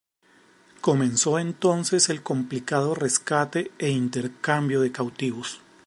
Comenzó entonces el complicado rescate e intercambio de cautivos.